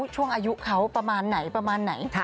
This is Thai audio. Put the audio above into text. ช่วงอายุเขาประมาณไหน